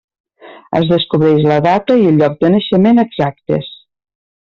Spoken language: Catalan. Es desconeix la data i el lloc de naixement exactes.